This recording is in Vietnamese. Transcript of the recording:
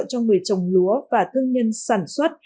cho người trồng lúa và thương nhân sản xuất